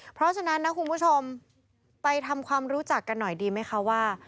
เพราะฉะนั้นนะคุณผู้ชมไปทำความรู้จักกันหน่อยดีไหมคะว่า